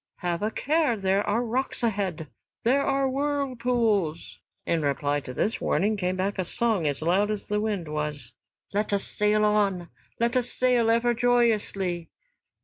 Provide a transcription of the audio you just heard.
"Have a care, there are rocks ahead! There are whirlpools!" In reply to this warning came back a song as loud as the wind was: "Let us sail on, let us sail ever joyously."